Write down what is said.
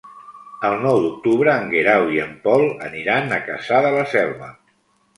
El nou d'octubre en Guerau i en Pol aniran a Cassà de la Selva.